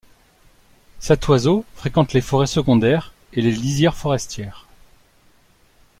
Cet oiseau fréquente les forêts secondaires et les lisières forestières.